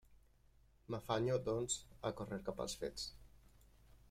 M'afanyo, doncs, a córrer cap als fets.